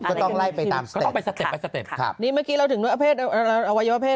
ก็ต้องไล่ไปตามสเต็ป